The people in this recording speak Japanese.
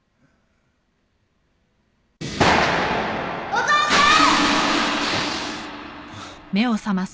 お父さん！